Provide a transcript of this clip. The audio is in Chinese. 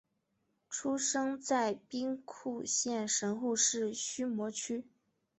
出生在兵库县神户市须磨区。